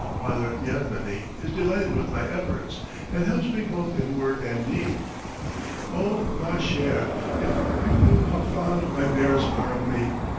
Father Yevmeny is delighted with my efforts, and helps me both in word and deed. Oh, ma chère, if you knew how fond my bears are of me!